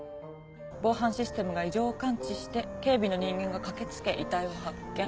防犯システムが異常を感知して警備の人間が駆け付け遺体を発見。